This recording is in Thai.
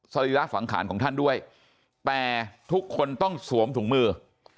รีระสังขารของท่านด้วยแต่ทุกคนต้องสวมถุงมือ